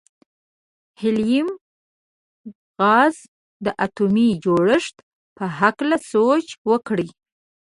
د هیلیم غاز د اتومي جوړښت په هکله سوچ وکړئ.